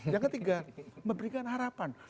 yang ketiga memberikan harapan